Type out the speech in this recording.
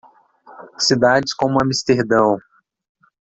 Cidades como Amesterdão